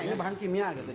ini bahan kimia gitu